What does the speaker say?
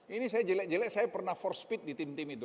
ini saya jelek jelek saya pernah for speed di tim tim itu